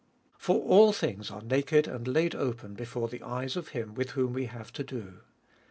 For all things are naked and laid open before the eyes of Him with whom we have to do.